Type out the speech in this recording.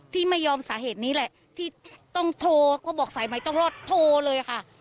ที่ไม่ยอมสาเหตุนี้แหละที่ต้องโทรเขาบอกสายใหม่ต้องรอดโทรเลยค่ะ